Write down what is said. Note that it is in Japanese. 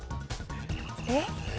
えっ？